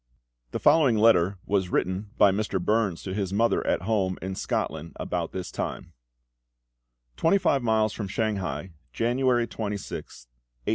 The following letter was written by Mr. Burns to his mother at home in Scotland about this time: "TWENTY FIVE MILES FROM SHANGHAI, January 26th, 1856.